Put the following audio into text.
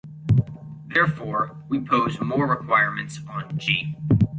Therefore, we pose more requirements on "G".